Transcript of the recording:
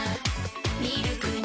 ミルクに